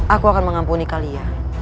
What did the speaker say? aku akan mengampuni kalian